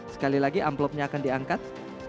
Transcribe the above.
sekali lagi amplopnya akan diangkat